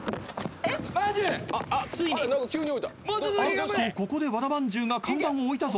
［あっとここで和田まんじゅうが看板を置いたぞ。